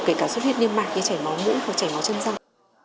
kể cả xuất huyết niêm mạc như chảy máu mũi và chảy máu chân răng